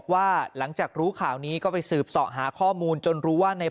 ว่าหลังจากรู้ข่าวนี้ก็ไปสืบเสาะหาข้อมูลจนรู้ว่าใน